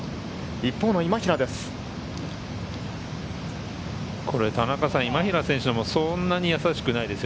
一方の今平です。